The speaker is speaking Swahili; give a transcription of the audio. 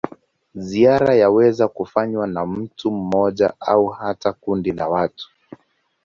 Ziara yaweza kufanywa na mtu mmoja au hata kundi la watu.